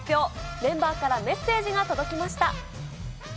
メンバーからメッセージが届きました。